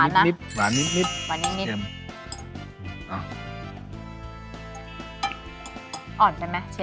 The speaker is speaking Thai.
เอาเป็นแบบเรารสจัด